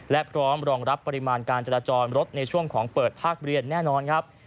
และพร้อมรองรับปริมาณการจราจรรถในช่วงของเปิดภาคเรียนแน่นอนครับ